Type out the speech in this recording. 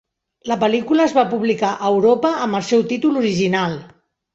La pel·lícula es va publicar a Europa amb el seu títol original.